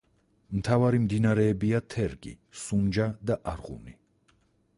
მთავარი მდინარეებია: თერგი, სუნჯა და არღუნი.